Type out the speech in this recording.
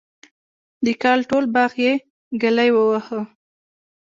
د کال ټول باغ یې ګلي وواهه.